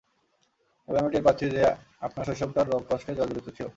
তবে আমি টের পাচ্ছি যে, আপনার শৈশবটা রোগকষ্টে জর্জরিত ছিল।